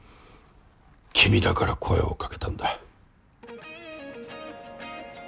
君だから声を掛けたんだ。